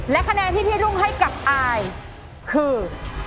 และคะแนนที่พี่รุ่งให้กับอายคือ